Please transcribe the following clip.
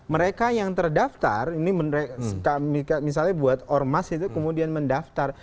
mereka yang terdaftar ini misalnya buat ormas itu kemudian mendaftar